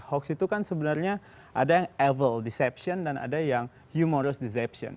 hoax itu kan sebenarnya ada yang ever deception dan ada yang humorrous deception